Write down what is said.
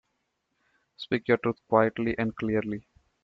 Speak your truth quietly and clearly